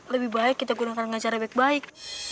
lebih baik kita gunakan dengan cara baik baik